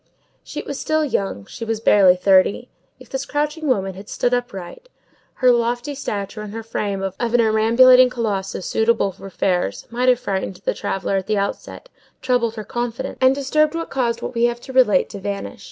She was still young; she was barely thirty. If this crouching woman had stood upright, her lofty stature and her frame of a perambulating colossus suitable for fairs, might have frightened the traveller at the outset, troubled her confidence, and disturbed what caused what we have to relate to vanish.